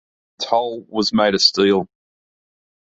Its hull was made of steel.